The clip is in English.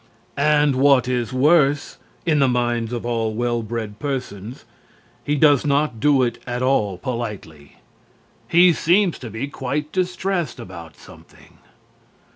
And what is worse, in the minds of all well bred persons he does not do it at all politely. He seems to be quite distressed about something.